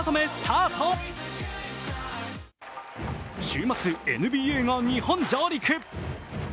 週末、ＮＢＡが日本上陸。